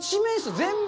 全部！